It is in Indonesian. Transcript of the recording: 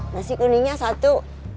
nasi kuningnya satu